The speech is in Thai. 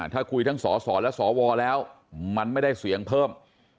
ถ้าคุยทั้งสสและสวแล้วมันไม่ได้เสียงเพิ่ม